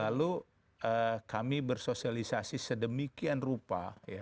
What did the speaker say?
lalu kami bersosialisasi sedemikian rupa